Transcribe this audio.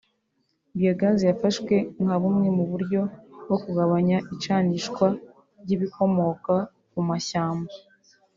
Biogaz yafashwe nka bumwe mu buryo bwo kugabanya icanishwa ry’ibikomoka ku mashyamba